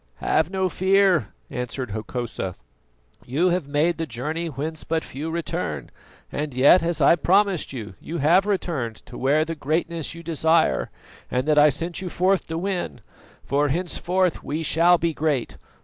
"Have no fear," answered Hokosa; "you have made the journey whence but few return; and yet, as I promised you, you have returned to wear the greatness you desire and that I sent you forth to win; for henceforth we shall be great.